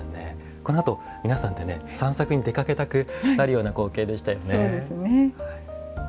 このあと皆さんで散策に出かけたくなるような光景でしたよね。